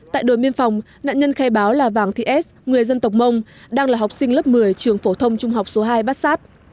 tại đồn biên phòng nạn nhân khai báo là vàng thị s người dân tộc mông đang là học sinh lớp một mươi trường phổ thông trung học số hai bát sát